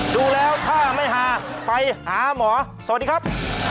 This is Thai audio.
ดูแล้วถ้าไม่หาไปหาหมอสวัสดีครับ